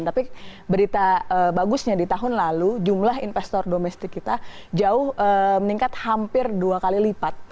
tapi berita bagusnya di tahun lalu jumlah investor domestik kita jauh meningkat hampir dua kali lipat